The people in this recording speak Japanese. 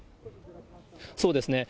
そうですね。